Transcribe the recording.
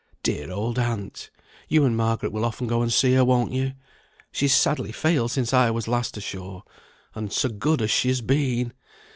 Dear old aunt! you and Margaret will often go and see her, won't you? She's sadly failed since I was last ashore. And so good as she has been!